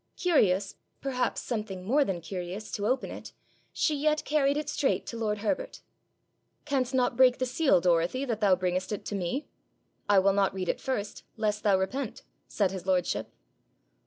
Curious, perhaps something more than curious, to open it, she yet carried it straight to lord Herbert. 'Canst not break the seal, Dorothy, that thou bringest it to me? I will not read it first, lest thou repent,' said his lordship.